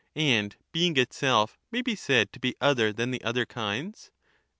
And being itself may be said to be other than the ©very other other kinds.